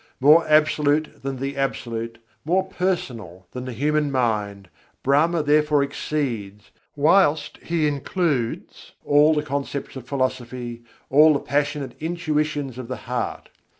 More absolute than the Absolute, more personal than the human mind, Brahma therefore exceeds whilst He includes all the concepts of philosophy, all the passionate intuitions of the heart.